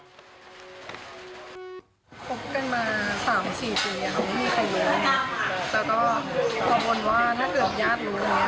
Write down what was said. คบกันมา๓๔ปีแล้วไม่มีใครรู้